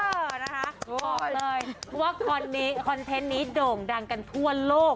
บอกเลยว่าคอนเทนต์นี้โด่งดังกันทั่วโลก